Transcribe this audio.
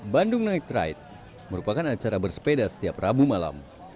bandung night ride merupakan acara bersepeda setiap rabu malam